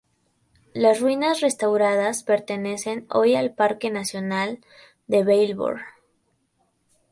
Las ruinas restauradas pertenecen hoy al Parque Nacional de Belvoir.